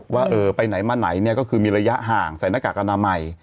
ว่าไปไหนมาไหนเนี่ยก็คือมีระยะห่างใส่หน้ากากอนามัย